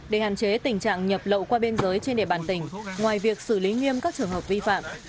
để hạn chế tình trạng nhập lậu qua biên giới trên địa bàn tỉnh ngoài việc xử lý nghiêm các trường hợp vi phạm